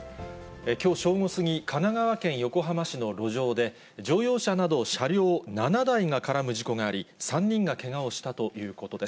きょう正午過ぎ、神奈川県横浜市の路上で、乗用車など車両７台が絡む事故があり、３人がけがをしたということです。